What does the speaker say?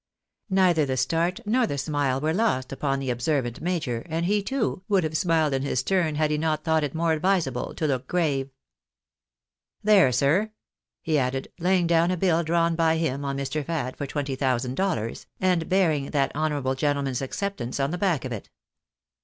Neither the start nor the smile were lost upon the observant major, and he, too, would have smiled in his turn had he not thought it more advisable to look grave. " There, sir," he added, laying down a biU drawn by him oa Mr. Fad for twenty thousand dollars, and bearing that honourable gentleman's acceptance on the back of it.